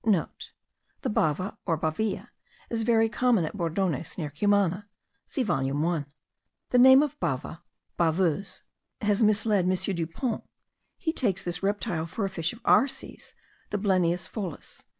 (* The bava, or bavilla, is very common at Bordones, near Cumana. See volume 1. The name of bava, baveuse, has misled M. Depons; he takes this reptile for a fish of our seas, the Blennius pholis.